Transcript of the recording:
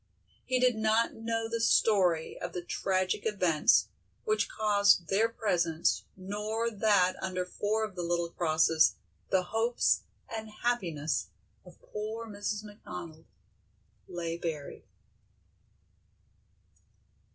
He did not know the story of the tragic events which caused their presence nor that under four of the little crosses the hopes and happiness of poor Mrs. McDonald lay buried.